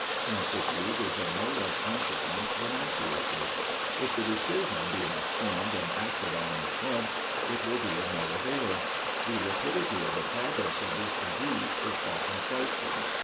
Promptitude is of no less consequence than accuracy. If the decision be not formed and acted on at once, it will be of no avail. The rapidity of the progress of this disease is often frightful.